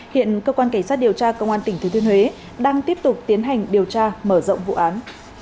hiện cơ quan cảnh sát điều tra công an tỉnh thứ thiên huế đang tiếp tục tiến hành điều tra mở rộng vụ án